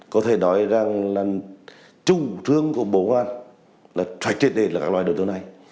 có thể nói là trung trương của bộ ngoan là trải triệt đề là các loại đồ chống này